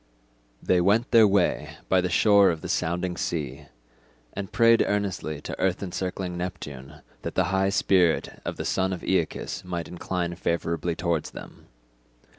They went their way by the shore of the sounding sea, and prayed earnestly to earth encircling Neptune that the high spirit of the son of Aeacus might incline favourably towards them.